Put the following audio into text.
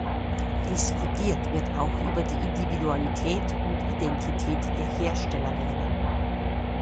Diskutiert wird auch über die Individualität und Identität der Herstellerländer.